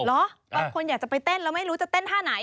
บางคนอยากจะไปเต้นแล้วไม่รู้จะเต้นท่าไหน